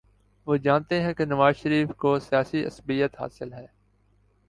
وہ جانتے ہیں کہ نواز شریف کو سیاسی عصبیت حاصل ہے۔